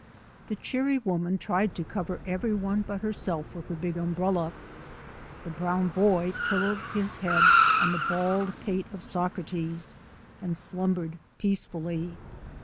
The cheery woman tried to cover every one but herself with the big um brella. The brown boy pillowed his head on the bald pate of Socrates and slumbered peacefully.